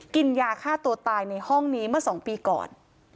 กินยาฆ่าตัวตายในห้องนี้เมื่อ๒ปีก่อน